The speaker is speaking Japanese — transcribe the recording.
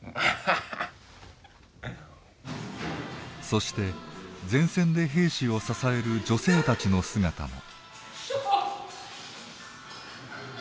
そして前線で兵士を支える女性たちの姿も。